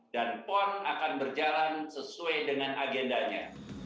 dan pon akan berjalan sesuai dengan agendanya